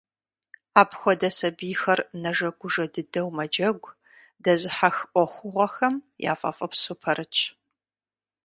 Апхуэдэ сабийхэр нэжэгужэ дыдэу мэджэгу, дэзыхьэх Ӏуэхугъуэхэм яфӀэфӀыпсу пэрытщ.